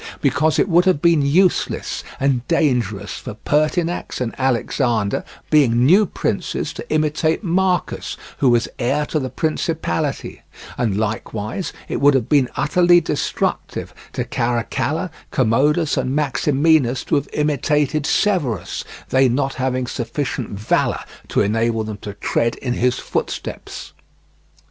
Because it would have been useless and dangerous for Pertinax and Alexander, being new princes, to imitate Marcus, who was heir to the principality; and likewise it would have been utterly destructive to Caracalla, Commodus, and Maximinus to have imitated Severus, they not having sufficient valour to enable them to tread in his footsteps.